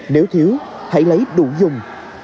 nếu thiếu hãy lấy đủ dùng